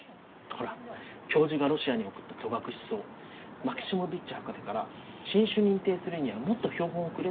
ほら教授がロシアに送った戸隠草マキシモヴィッチ博士から新種認定するにはもっと標本をくれって言われたろう？